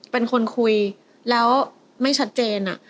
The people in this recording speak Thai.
เป็นคนคุยแล้วไม่ชัดเจน